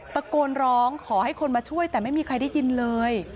ตะโกนร้องขอให้คนมาช่วยแต่ไม่มีใครได้ยินเลย